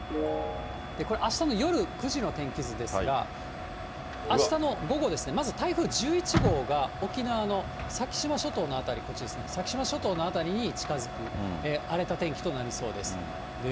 これ、あしたの夜９時の天気図ですが、あしたの午後ですね、まず台風１１号が沖縄の先島諸島の辺り、こっちですね、先島諸島の辺りに近づく、荒れた天気となりそうです。